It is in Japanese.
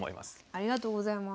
ありがとうございます。